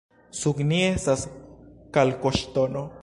Sub ni estas kalkoŝtono.